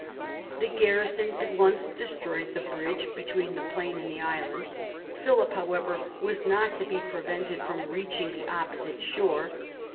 The garrison at once destroyed the bridge between the plain and the island. Philip, however, was not to be prevented from reaching the opposite shore.